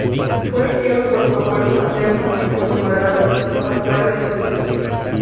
Fue criado por su abuelo materno y por su padrastro, Pascual Benítez.